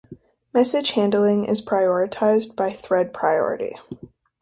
Message handling is prioritized by thread priority.